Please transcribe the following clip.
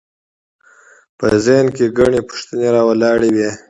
په ذهن کې ګڼې پوښتنې راولاړوي.